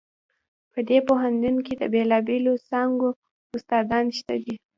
په دې پوهنتون کې د بیلابیلو څانګو استادان شته دي